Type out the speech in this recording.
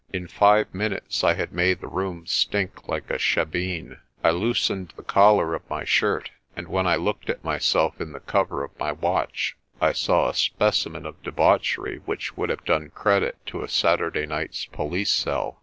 In five minutes I had made the room stink like a shebeen. I loosened the collar of my shirt, and when I looked at my self in the cover of my watch I saw a specimen of debauch ery which would have done credit to a Saturday night's po lice cell.